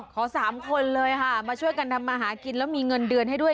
สามคนเลยค่ะมาช่วยกันทำมาหากินแล้วมีเงินเดือนให้ด้วย